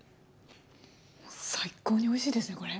最高においしいですねこれ。